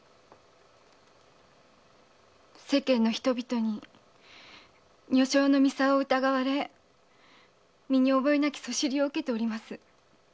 世間の人々に女性の操を疑われ身に覚えなき謗りを受けています。